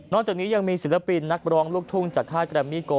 จากนี้ยังมีศิลปินนักร้องลูกทุ่งจากค่ายแกรมมี่โก